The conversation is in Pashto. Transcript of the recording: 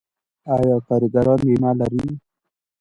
آیا کارګران بیمه لري؟